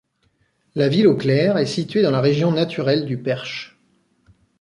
La Ville-aux-Clercs est située dans la région naturelle du Perche.